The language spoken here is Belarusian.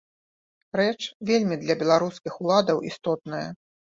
Рэч, вельмі для беларускіх уладаў істотная.